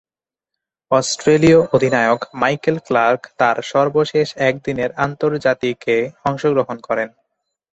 অস্ট্রেলীয় অধিনায়ক Michael Clarke তার সর্বশেষ একদিনের আন্তর্জাতিকে অংশগ্রহণ করেন।